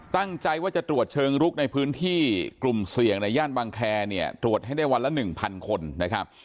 ตั้งใจว่าจะตรวจเชิงลุกในพื้นที่กลุ่มเสี่ยงในย่านบางแคร์เนี่ยตรวจให้ได้วันละ๑๐๐คนนะครับ